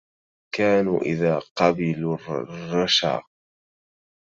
كانوا إذا قبلوا الرشا